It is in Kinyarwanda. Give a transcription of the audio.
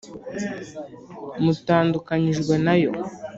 Mutandukanyijwe na yo